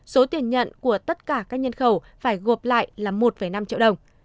số tiền nhận của tất cả các nhân khẩu phải gộp lại là một năm triệu đồng